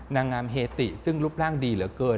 นางงามเฮติซึ่งรูปร่างดีเหลือเกิน